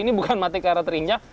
ini bukan mati karena terinjak